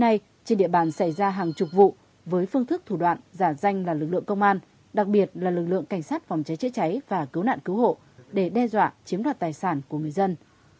các lực lượng công an xảy ra hàng chục vụ với phương thức thủ đoạn giả danh là lực lượng công an đặc biệt là lực lượng cảnh sát phòng cháy cháy cháy và cứu nạn cứu hộ để đe dọa chiếm đoạt tài sản của người dân